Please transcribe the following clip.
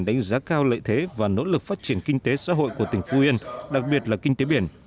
đánh giá cao lợi thế và nỗ lực phát triển kinh tế xã hội của tỉnh phú yên đặc biệt là kinh tế biển